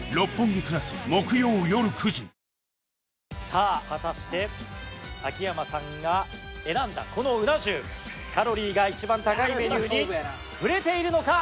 さあ果たして秋山さんが選んだこのうな重カロリーが一番高いメニューにふれているのか？